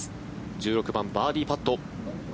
１６番、バーディーパット。